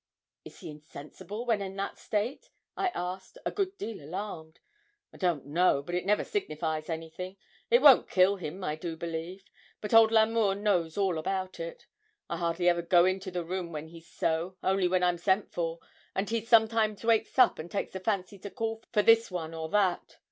'Is he insensible when in that state?' I asked, a good deal alarmed. 'I don't know; but it never signifies anything. It won't kill him, I do believe; but old L'Amour knows all about it. I hardly ever go into the room when he's so, only when I'm sent for; and he sometimes wakes up and takes a fancy to call for this one or that.